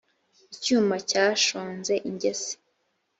icyuma cyashonze ingese